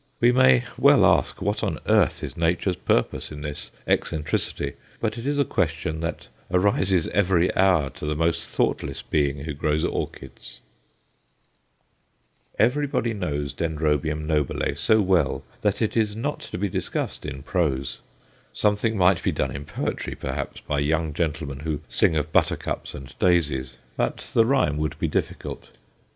We may well ask what on earth is Nature's purpose in this eccentricity; but it is a question that arises every hour to the most thoughtless being who grows orchids. [Illustration: DENDROBIUM BRYMERIANUM. Reduced To One Fourth.] Everybody knows Dendrobium nobile so well that it is not to be discussed in prose; something might be done in poetry, perhaps, by young gentlemen who sing of buttercups and daisies, but the rhyme would be difficult.